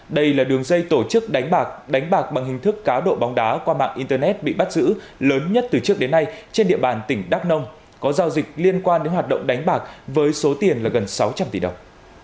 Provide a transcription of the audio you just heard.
đây là đường dây tổ chức đánh bạc đánh bạc bằng hình thức cá độ bóng đá qua mạng internet bị bắt giữ lớn nhất từ trước đến nay trên địa bàn tỉnh đắk nông có giao dịch liên quan đến hoạt động đánh bạc với số tiền là gần sáu trăm linh tỷ đồng